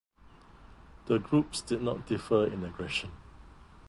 The groups did not differ in aggression.